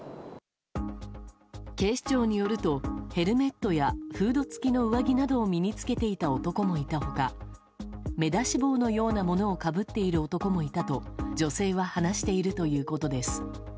警視庁によると、ヘルメットやフード付きの上着などを身に着けていた男もいた他目出し帽のようなものをかぶっている男もいたと女性は話しているということです。